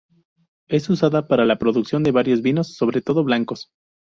Es usada para la producción de varios vinos, sobre todo blancos.